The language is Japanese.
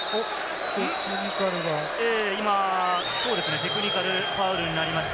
今、テクニカルファウルになりました。